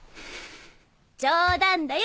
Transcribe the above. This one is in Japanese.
冗談だよ